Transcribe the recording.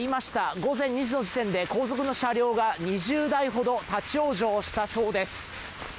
午前２時の時点で高速の車両が２０台ほど立ち往生したそうです。